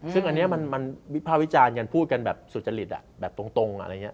ซึ่งอันนี้มันวิภาควิจารณ์กันพูดกันแบบสุจริตแบบตรงอะไรอย่างนี้